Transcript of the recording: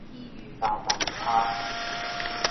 茄苳跤